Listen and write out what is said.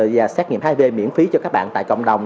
và xét nghiệm hiv miễn phí cho các bạn tại cộng đồng